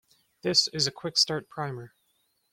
This is a quick start primer.